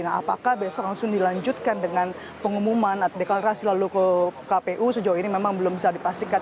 nah apakah besok langsung dilanjutkan dengan pengumuman atau deklarasi lalu ke kpu sejauh ini memang belum bisa dipastikan